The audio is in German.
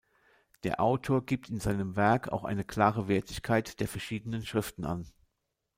Der Autor gibt in seinem Werk auch eine klare Wertigkeit der verschiedenen Schriften an.